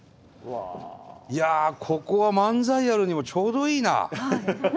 いやここは漫才やるにもちょうどいいな。